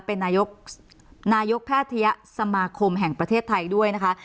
เป็นนายกนายกแพทยสมาคมแห่งประเทศไทยด้วยนะคะ